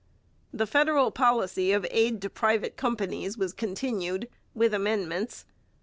The federal policy of aid to private companies was continued, with amendments.